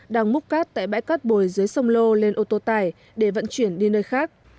đang múc cát tại bãi cát bồi dưới sông lô lên ô tô tải để vận chuyển đi nơi khác